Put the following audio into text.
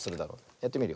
やってみるよ。